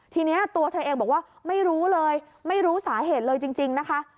ทีนี้ตัวเธอเองบอกว่าไม่รู้เลยไม่รู้สาเหตุเลยจริงนะคะ